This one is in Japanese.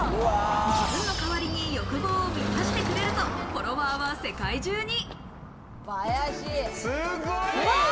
自分の代わりに欲望を満たしてくれると、フォロワーは世界中に。